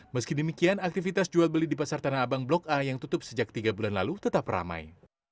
meski demikian aktivitas jual beli di pasar tanah abang blok a yang tutup sejak tiga bulan lalu tetap ramai